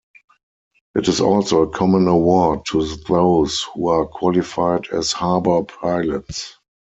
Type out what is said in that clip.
It is also a common award to those who are qualified as harbor pilots.